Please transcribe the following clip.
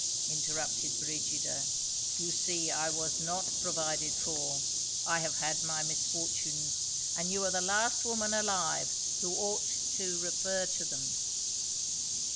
interrupted Brigida. "You see I was not provided for. I have had my misfortunes; and you are the last woman alive who ought to refer to them."